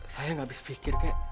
saya gak bisa pikir kayak